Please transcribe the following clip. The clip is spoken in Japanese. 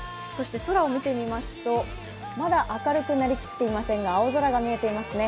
空を見てみますと、まだ明るくなりきっていませんが、青空が見えていますね。